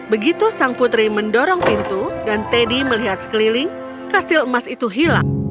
begitu sang putri mendorong pintu dan teddy melihat sekeliling kastil emas itu hilang